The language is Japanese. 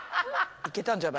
いけたんじゃない？